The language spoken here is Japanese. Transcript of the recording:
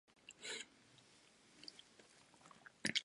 みんながやればすぐに解決するんだが